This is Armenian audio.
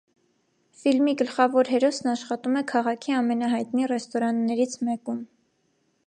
Ֆիլմի գլխավոր հերոսն աշխատում է քաղաքի ամենահայտնի ռեստորաններից մեկում։